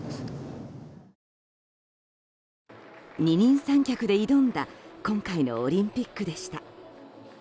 二人三脚で挑んだ今回のオリンピックでした。